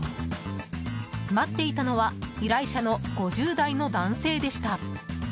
待っていたのは依頼者の５０代の男性でした。